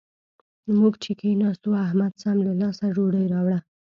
موږ چې کېناستو؛ احمد سم له لاسه ډوډۍ راوړه.